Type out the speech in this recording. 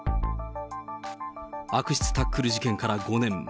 悪質タックル事件から５年。